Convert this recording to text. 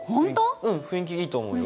うん雰囲気いいと思うよ。